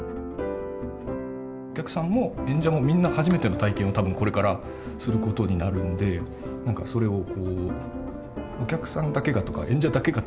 お客さんも演者もみんな初めての体験を多分これからすることになるんで何かそれを「お客さんだけが」とか「演者だけが」